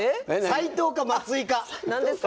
斎藤か松井か？